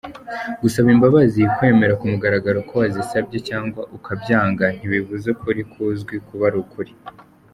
Gusaba imbabazi, kwemera ku mugaragaro ko wazisabye cyangwa ukabyanga ntibubuza ukuri kuzwi kuba ukuri.